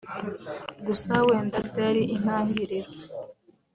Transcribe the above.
Gusa wenda byari intangiriro